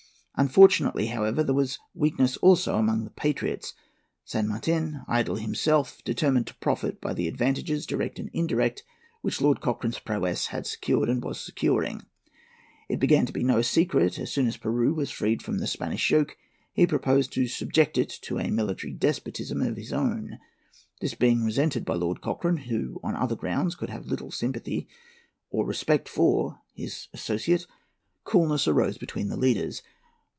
Unfortunately, however, there was weakness also among the patriots. San Martin, idle himself, determined to profit by the advantages, direct and indirect, which Lord Cochrane's prowess had secured and was securing. It began to be no secret that, as soon as Peru was freed from the Spanish yoke, he proposed to subject it to a military despotism of his own. This being resented by Lord Cochrane, who on other grounds could have little sympathy or respect for his associate, coolness arose between the leaders.